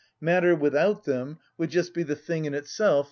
Matter without them would just be the thing in itself, _i.